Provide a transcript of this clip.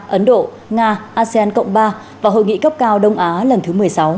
ấn độ nga asean cộng ba và hội nghị cấp cao đông á lần thứ một mươi sáu